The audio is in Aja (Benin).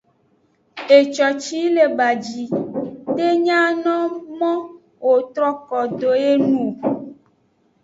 Eco ci yi le baji de nyano mo wo troko do eye nu.